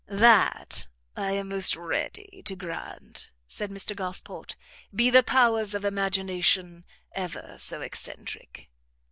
"That I am most ready to grant," said Mr Gosport, "be the powers of imagination ever so eccentric."